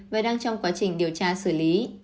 và đang trong quá trình điều tra xử lý